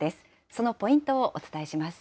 そのポイントをお伝えします。